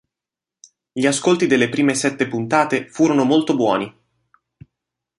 Gli ascolti delle prime sette puntate furono molto buoni.